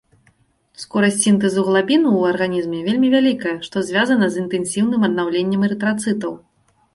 Скорасць сінтэзу глабіну ў арганізме вельмі вялікая, што звязана з інтэнсіўным аднаўленнем эрытрацытаў.